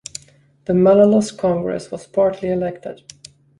The Malolos Congress was partly elected.